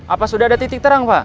apa sudah ada titik terang pak